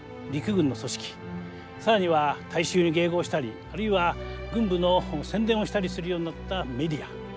更には大衆に迎合したりあるいは軍部の宣伝をしたりするようになったメディア。